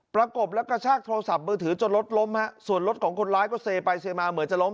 ประกบและกระชากโทรศัพท์มือถือจนรถล้มฮะส่วนรถของคนร้ายก็เซไปเซมาเหมือนจะล้ม